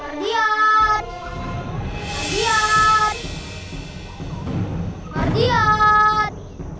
mardian mardian mardian